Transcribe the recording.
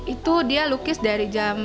itu dia lukis dari jam